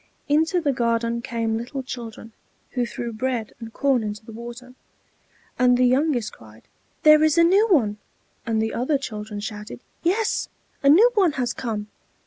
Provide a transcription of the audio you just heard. Into the garden came little children, who threw bread and corn into the water; and the youngest cried, "There is a new one!" and the other children shouted, "Yes, a new one has come!"